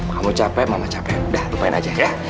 kamu capek mama capek udah lupain aja ya